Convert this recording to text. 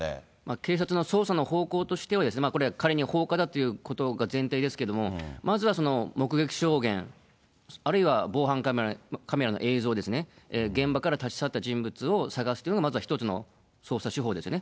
警察の捜査の方向としては、これは仮に放火だということが前提ですけども、まずはその目撃証言、あるいは防犯カメラの映像ですね、現場から立ち去った人物を捜すというのが、まずは一つの捜査手法ですよね。